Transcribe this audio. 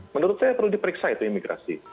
menurut saya perlu diperiksa itu imigrasi